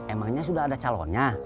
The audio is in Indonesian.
emangnya sudah ada calonnya